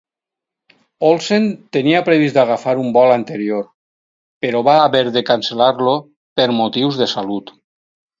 Olsen tenia previst agafar un vol anterior, però va haver de cancel·lar-lo per motius de salut.